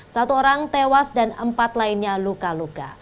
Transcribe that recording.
satu orang tewas dan empat lainnya luka luka